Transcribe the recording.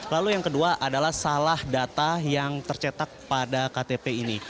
lalu yang kedua adalah salah data yang tercetak pada ktp ini